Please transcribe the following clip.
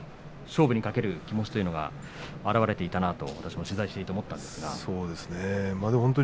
勝負に懸ける気持ちというのが表れているなと私も取材していて思いました。